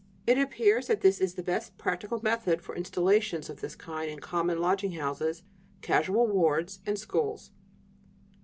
It appears that this is the best practical method for installations of this kind in common lodging houses, casual wards, and schools."